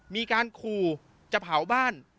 มีการขู่จะเผาบ้าน